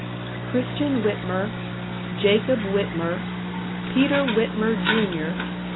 Christian Whitmer Jacob Whitmer Peter Whitmer, Jr.